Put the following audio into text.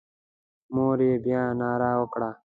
مور یې بیا ناره وکړه.